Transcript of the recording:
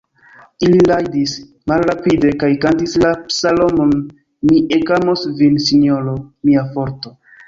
Ili rajdis malrapide kaj kantis la psalmon: "Mi ekamos Vin, Sinjoro, mia Forto!"